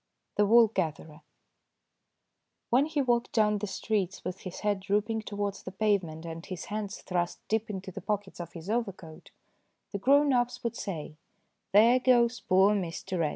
THE WOOL GATHERER WHEN he walked down the streets with his head drooping towards the pavement and his hands thrust deep into the pockets of his overcoat the grown ups would say, "There goes poor Mr. X.